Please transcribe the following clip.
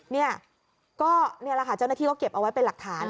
นี่แหละก็นี่แหละค่ะเจ้าหน้าที่ก็เก็บเอาไว้เป็นหลักฐาน